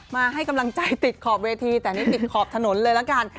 มาให้กำลังใจติดขอบเวทีแต่นี่ติดขอบถนนเลยละกัน